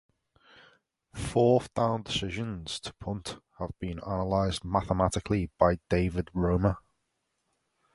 Fourth down decisions to punt have been analyzed mathematically by David Romer.